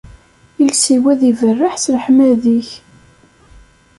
Iles-iw ad iberreḥ s leḥmadi-k.